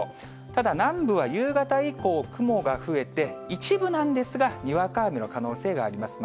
ただ、南部は夕方以降、雲が増えて、一部なんですが、にわか雨の可能性があります。